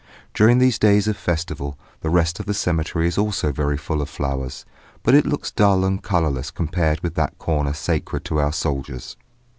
During these days of festival, the rest of the cemetery is also very full of flowers, but it looks dull and colourless compared with that corner sacred to our soldiers.